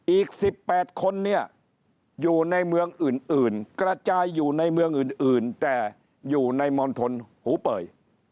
อีก๑๘คนเนี่ยอยู่ในเมืองอื่นกระจายอยู่ในเมืองอื่นแต่อยู่ในมณฑลหูเป่ย